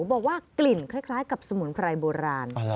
บอกว่ากลิ่นคล้ายกับสมุนไพรโบราณ